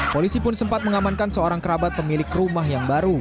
polisi pun sempat mengamankan seorang kerabat pemilik rumah yang baru